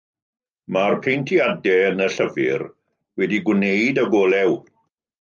Mae'r paentiadau yn y llyfr wedi eu gwneud ag olew.